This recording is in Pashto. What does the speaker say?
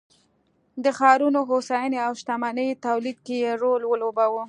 د ښارونو هوساینې او شتمنۍ تولید کې یې رول ولوباوه